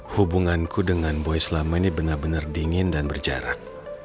hubunganku dengan boy selama ini benar benar dingin dan berjarak